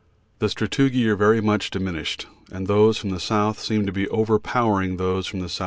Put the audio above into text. The sastrugi are very much diminished, and those from the south seem to be overpowering those from the S.E.